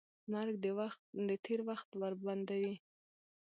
مرګ د تېر وخت ور بندوي.